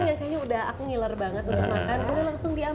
kayanya udah aku ngiler banget udah makan